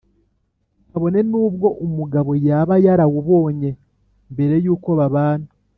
kabone n’ubwo umugabo yaba yarawubonye mbere y’uko babana;